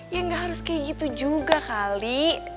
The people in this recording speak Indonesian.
ya nggak harus kayak gitu juga kali